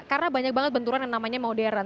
karena banyak banget benturan yang namanya modern